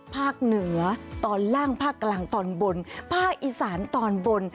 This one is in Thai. ภาคเหนือตอนล่างภาคกลางตอนบนภาคอีสานตอนบน